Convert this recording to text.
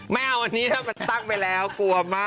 ไม่เอาอันนี้เราก็ตั้งไปแล้วกลัวมาก